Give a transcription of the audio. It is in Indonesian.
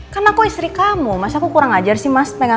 karena aku istri kamu mas aku kurang ajar sih mas